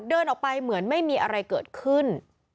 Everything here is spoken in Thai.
เดินออกไปเหมือนไม่มีอะไรเกิดขึ้น